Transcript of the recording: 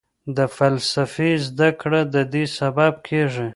د فلسفې زده کړه ددې سبب کېږي.